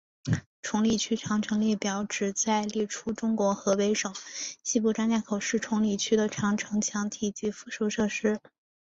崇礼区长城列表旨在列出中国河北省西部张家口市崇礼区的长城墙体及附属设施。